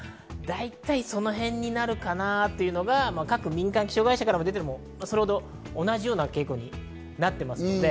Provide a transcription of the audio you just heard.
大体その辺になるかなというのが、民間気象会社から出ているのも同じような傾向になっています。